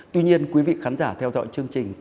tuy nhiên quý vị khán giả theo dõi chương trình